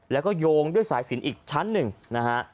แล้วก็โยงด้วยสายสินอีกชั้นหนึ่งนะฮะ